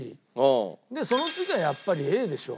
その次はやっぱりＡでしょ。